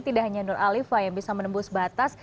tidak hanya nur alifa yang bisa menembus batas